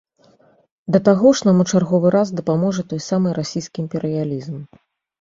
Да таго ж, нам у чарговы раз дапаможа той самы расійскі імперыялізм.